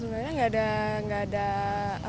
sebenarnya tidak ada